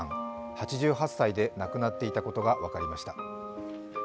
８８歳で亡くなっていたことが分かりました。